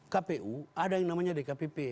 kpu ada yang namanya dkpp